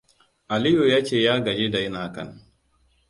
Aliyu ya ce ya gaji da yin hakan.